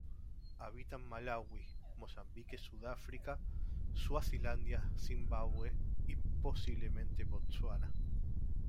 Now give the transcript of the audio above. Habita en Malaui, Mozambique, Sudáfrica, Suazilandia, Zimbabue y posiblemente Botsuana.